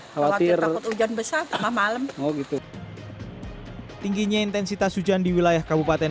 khawatir takut hujan besar malam mau gitu hai tingginya intensitas hujan di wilayah kabupaten